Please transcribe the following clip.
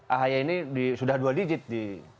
ahy ini sudah dua digit di